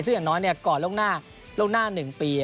ซึ่งอย่างน้อยก่อนล่างหน้า๑ปี